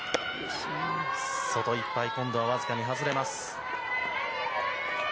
外いっぱい、今度は僅かに外れます。